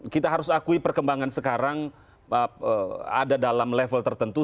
kita harus akui perkembangan sekarang ada dalam level tertentu